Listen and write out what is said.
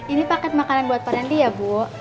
ini paket makanan buat pak nanti ya bu